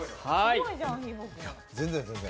全然全然。